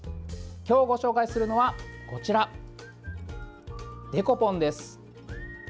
今日ご紹介するのはこちら、デコポンです。